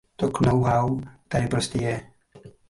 To know-how tady prostě je.